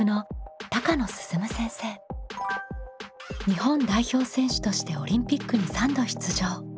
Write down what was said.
日本代表選手としてオリンピックに３度出場。